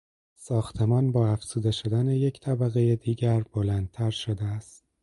ساختمان با افزوده شدن یک طبقهی دیگر بلندتر شده است.